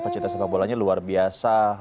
pecinta sepak bolanya luar biasa